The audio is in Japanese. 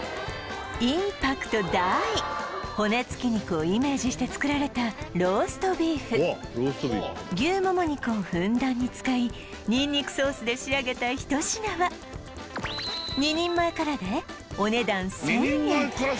インパクト大骨付き肉をイメージして作られたローストビーフ牛もも肉をふんだんに使いニンニクソースで仕上げたひと品は２人前からでお値段１０００円